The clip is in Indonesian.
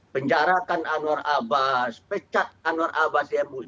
penjarakan anwar abbas pecat anwar abbas emosi